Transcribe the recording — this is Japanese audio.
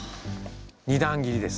２段切りです。